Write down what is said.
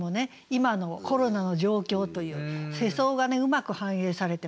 今のコロナの状況という世相がねうまく反映されてますよね。